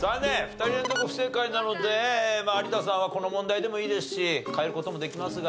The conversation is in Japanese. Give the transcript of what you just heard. ２人連続不正解なので有田さんはこの問題でもいいですし変える事もできますが。